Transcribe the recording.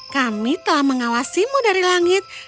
kami telah mengawasimu dari langit